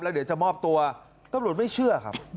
เดี๋ยวจะมอบตัวตำรวจไม่เชื่อครับ